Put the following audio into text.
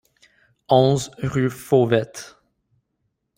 onze rue Fauvettes